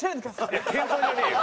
いや謙遜じゃねえよ。